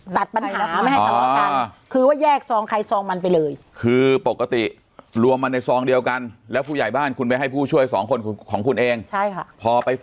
แล้วไม่ได้เป็นผู้ใหญ่บ้านอะไรอย่างนี้